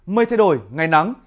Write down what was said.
mây thay đổi ngày nắng